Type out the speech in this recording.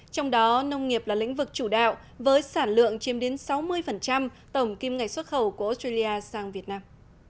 trong đó nông nghiệp là lĩnh vực chủ đạo với sản lượng chiếm đến sáu mươi tổng kim ngạch xuất khẩu của australia sang việt nam